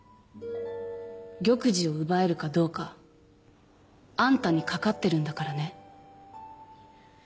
玉璽を奪えるかどうかあんたにかかってるんだからね。